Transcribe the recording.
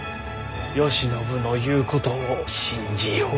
慶喜の言うことを信じよう。